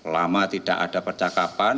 lama tidak ada percakapan